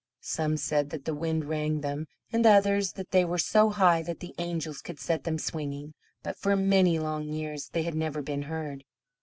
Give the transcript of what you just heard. Some said that the wind rang them, and others, that they were so high that the angels could set them swinging. But for many long years they had never been heard.